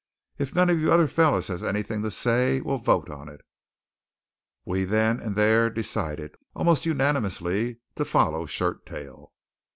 If none of you other fellows has anything to say, we'll vote on it." We then and there decided, almost unanimously, to follow Shirttail.